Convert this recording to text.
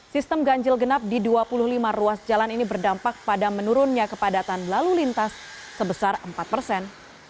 sistem ganjil genap di dua puluh lima ruas jalan ini berdampak pada menurunnya kepadatan lalu lintas sebesar empat persen